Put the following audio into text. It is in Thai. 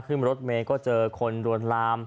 ขึ้นรถเมย์ก็เจอคนรวนลาม